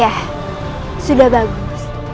ya sudah bagus